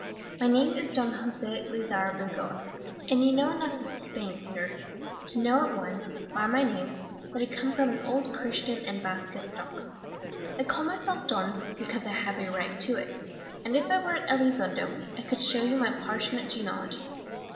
My name is Don Jose Lizzarrabengoa, and you know enough of Spain, sir, to know at once, by my name, that I come of an old Christian and Basque stock. I call myself Don, because I have a right to it, and if I were at Elizondo I could show you my parchment genealogy.